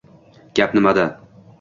Gap nimada?